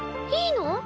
いいの？